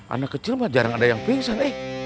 anak kecil mah jarang ada yang pingsan eh